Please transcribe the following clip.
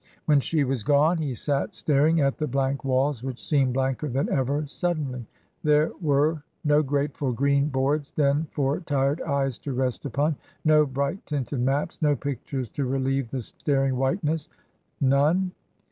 When she was gone he sat staring at the blank walls, which seemed blanker than ever, suddenly. There were no grateful green boards then for tired eyes to rest upon, no bright tinted maps, no pictures to relieve the staring whiteness. None?